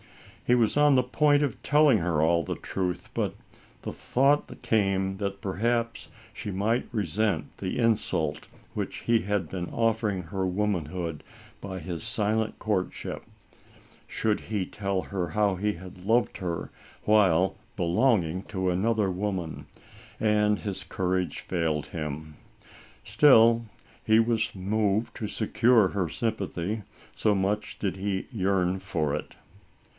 He was on the point of telling her all the truth, but the thought ALICE ; OR, THE WAGES OF SIN. 71 came, that perhaps she might resent the insult which he had been offering her womanhood by his silent courtship, should he tell her how he had loved her, while belonging to another woman, and his courage failed him. Still, he Was moved to secure her sympathy, so much did he yearn for it.